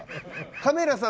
カメラさん